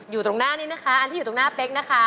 อยู่ตรงหน้านี้นะคะอันที่อยู่ตรงหน้าเป๊กนะคะ